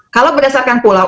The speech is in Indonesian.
kalau berdasarkan pulau